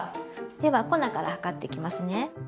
では粉から量っていきますね。